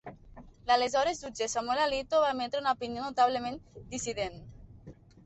L'aleshores jutge Samuel Alito va emetre una opinió notablement dissident.